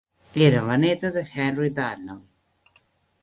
Era la néta de Henry Darnall.